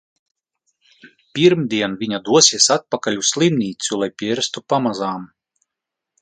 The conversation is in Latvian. Pirmdien viņa dosies atpakaļ uz slimnīcu, lai pierastu pamazām!